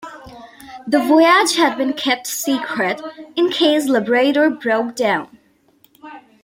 The voyage had been kept secret, in case "Labrador" broke down.